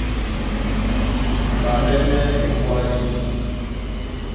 Ɓá ɓɛ́nɛ́ ekwálí,